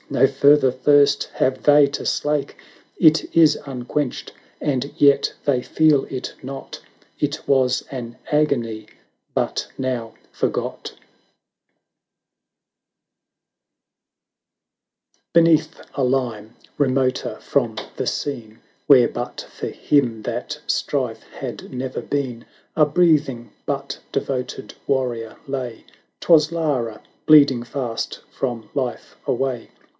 No further thirst have they to slake — It is unquenched, and yet they feel it not; It was an agony — but now forgot ! Beneath a Hme, remoter from the scene, Where but for him that strife had never been, 1060 A breathing but devoted warrior lay: 'Twas Lara bleeding fast from life away.